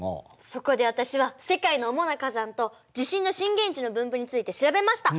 そこで私は世界の主な火山と地震の震源地の分布について調べました。